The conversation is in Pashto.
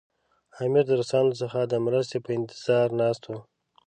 امیر د روسانو څخه د مرستې په انتظار ناست وو.